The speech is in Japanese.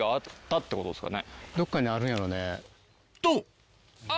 どっかにあるんやろね。と！